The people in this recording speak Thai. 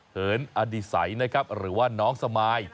เหินอดิสัยนะครับหรือว่าน้องสมาย